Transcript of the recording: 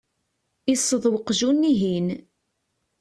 iṣṣeḍ uqjun-ihin.